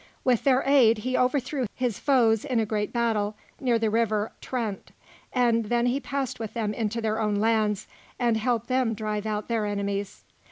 With their aid, he overthrew his foes in a great battle near the river Trent; and then he passed with them into their own lands and helped them drive out their enemies.